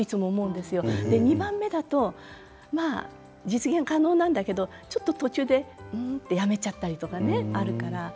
２番目だとまあ実現可能なんだけどちょっと途中で「うん？」ってやめちゃったりとかねあるから。